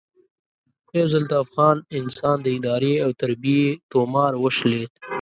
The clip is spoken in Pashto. خو یو ځل د افغان انسان د ادارې او تربیې تومار وشلېد.